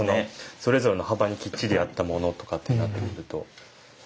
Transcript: それぞれの幅にきっちり合ったものとかってなってくると。